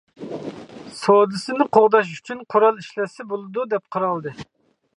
سودىسىنى قوغداش ئۈچۈن قورال ئىشلەتسە بولىدۇ، دەپ قارالدى.